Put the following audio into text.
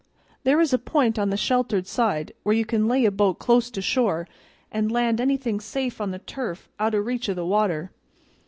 There is a point on the sheltered side where you can lay a boat close to shore an' land anything safe on the turf out o' reach o' the water.